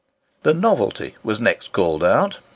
The "Novelty" was next called out.